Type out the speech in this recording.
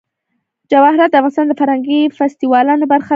جواهرات د افغانستان د فرهنګي فستیوالونو برخه ده.